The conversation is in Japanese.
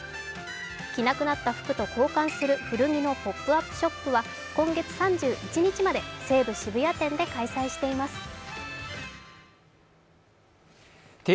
着なくなった服と交換する古着のポップアップショップは今月３１日まで西武渋谷店で開催しています。